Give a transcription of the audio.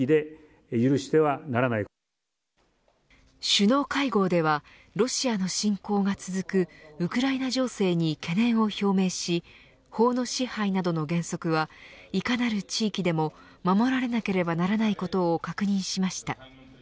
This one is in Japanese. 首脳会合ではロシアの侵攻が続くウクライナ情勢に懸念を表明し法の支配などの原則はいかなる地域でも守られなければならないことを確認しました。